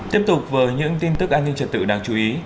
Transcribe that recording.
tiếp tục với những tin tức an ninh trật tự đáng chú ý